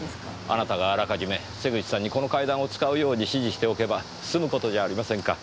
あなたがあらかじめ瀬口さんにこの階段を使うように指示しておけば済む事じゃありませんか。